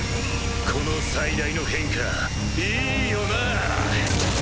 この最大の変化いいよなぁ。